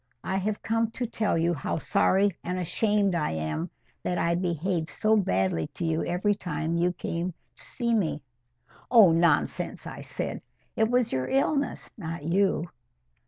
I have come to tell you how sorry and ashamed I am that I behaved so badly to you every time you came to see me." "Oh, nonsense!" I said. "It was your illness, not you."